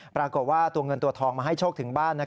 ปรากฏว่าตัวเงินตัวทองมาให้โชคถึงบ้าน